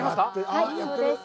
はい、そうです。